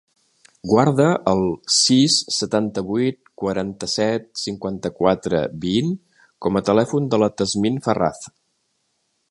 Guarda el sis, setanta-vuit, quaranta-set, cinquanta-quatre, vint com a telèfon de la Tasnim Ferraz.